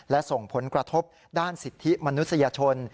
และส่งผลกระทบด้านสิทธิมนุษยชน